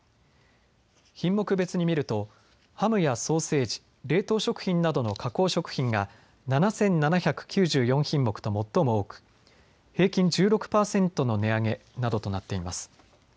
品目別に見るとハムやソーセージ、冷凍食品などの加工食品が７７９４品目と最も多く、平均１６％の値上げなどとなっています。